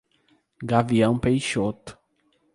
Gavião Peixoto